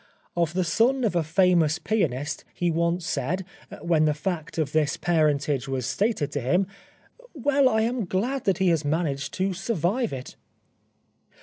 Of the son of a famous pianist he once said, when the fact of this parentage was stated to him :" Well, I am glad that he has managed to survive it."